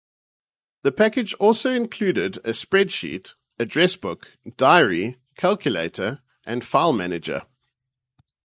The package also included a spreadsheet, address book, diary, calculator and file manager.